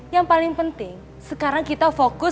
yang paling penting sekarang kita fokus